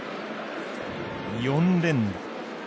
４連打。